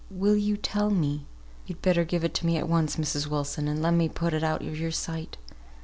Will you tell me?" "Yo'd better give it me at once, Mrs. Wilson, and let me put it out of your sight.